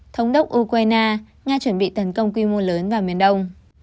thống đốc ukraine nga chuẩn bị tấn công quy mô lớn vào miền đông